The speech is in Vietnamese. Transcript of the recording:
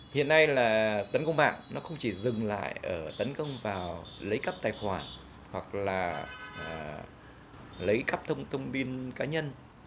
hiện nay là tấn công mạng nó không chỉ dừng lại ở tấn công vào lấy cắp tài khoản hoặc là lấy cắp thông tin cá nhân